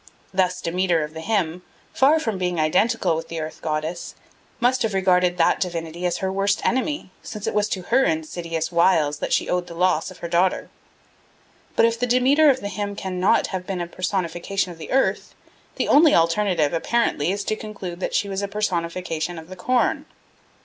Thus Demeter of the hymn, far from being identical with the Earth goddess, must have regarded that divinity as her worst enemy, since it was to her insidious wiles that she owed the loss of her daughter. But if the Demeter of the hymn cannot have been a personification of the earth, the only alternative apparently is to conclude that she was a personification of the corn.